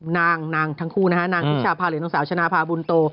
นางนางทั้งคู่นะฮะนางพิชาพาหรือนางสาวชนะพาบุญโต